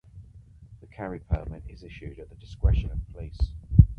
The carry permit is issued at discretion of police.